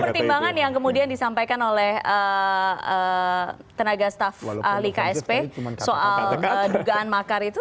termasuk pertimbangan yang kemudian disampaikan oleh tenaga staff likasp soal dugaan makar itu